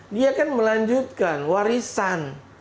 dia akan melanjutkan warisan